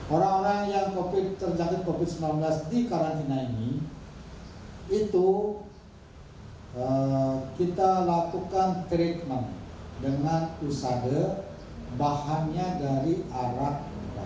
orang orang yang terjangkit covid sembilan belas di karantina ini itu kita lakukan treatment dengan usade bahannya dari arak